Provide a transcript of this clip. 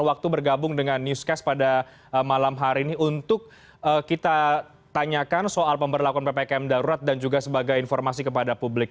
waktu bergabung dengan newscast pada malam hari ini untuk kita tanyakan soal pemberlakuan ppkm darurat dan juga sebagai informasi kepada publik